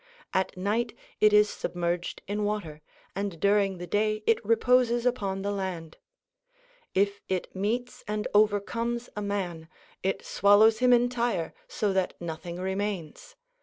At night it is submerged in water, and during the day it reposes upon the land. If it meets and overcomes a man, it swallows him entire, so that nothing remains.